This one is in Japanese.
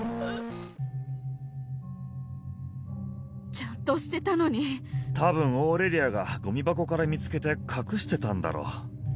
ちゃんと捨てたのにたぶんオーレリアがゴミ箱から見つけて隠してたんだろう